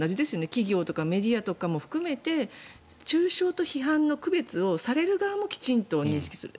企業とかメディアとかも含めて中傷と批判の区別をされる側もきちんと認識する。